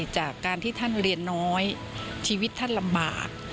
จากการที่ท่านเรียนน้อยชีวิตท่านลำบาก